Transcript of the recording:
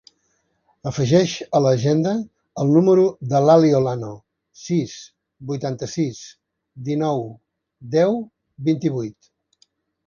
Afegeix a l'agenda el número de l'Ali Olano: sis, vuitanta-sis, dinou, deu, vint-i-vuit.